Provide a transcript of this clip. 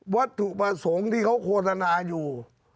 วัตถุประสงค์ที่เขาโฆษณาอยู่